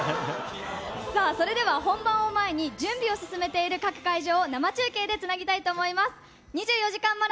さあ、それでは本番を前に、準備を進めている各会場を生中継でつなぎたいと思います。